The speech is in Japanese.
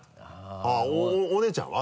あぁお姉ちゃんは？